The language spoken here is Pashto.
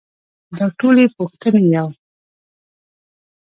دا ټولې پوښتنې يو.